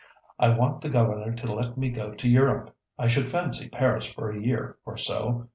I want the governor to let me go to Europe. I should fancy Paris for a year or so.